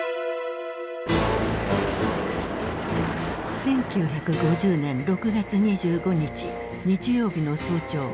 １９５０年６月２５日日曜日の早朝。